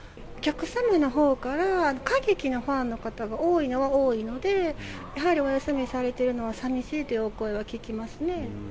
お客様のほうから、歌劇のファンの方が多いのは多いので、やはりお休みされてるのは寂しいというお声は聞きますね。